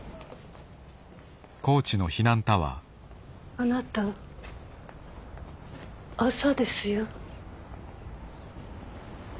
あなた朝ですよ。